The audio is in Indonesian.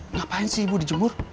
ngapain sih ibu dijemur